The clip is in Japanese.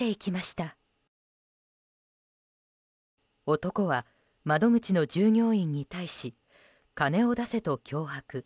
男は、窓口の従業員に対し金を出せと脅迫。